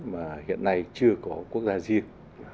mà hiện nay chưa có quốc gia riêng